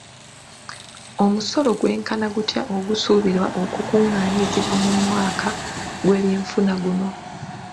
Omusolo gwenkana gutya ogusuubirwa okukungaanyizibwa mu mwaka gw'ebyenfuna guno?